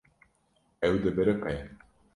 Ew dibiriqe.